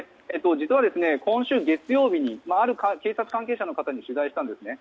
実は、今週月曜日にある警察関係者の方に取材したんですね。